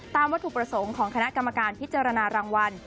วัตถุประสงค์ของคณะกรรมการพิจารณารางวัล